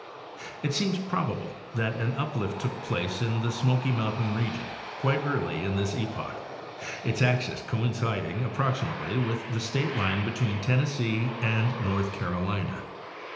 It seems probable that an uplift took place in the Smoky mountain region quite early in this epoch, its axis coinciding approximately with the state line between Tennessee and North Carolina.